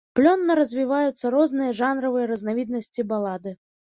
Плённа развіваюцца розныя жанравыя разнавіднасці балады.